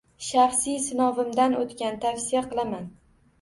Shaxsiy sinovimdan o’tgan tavsiya qilaman